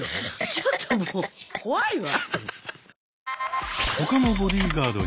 ちょっともう怖いわ。